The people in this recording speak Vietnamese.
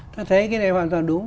tôi thấy cái này hoàn toàn đúng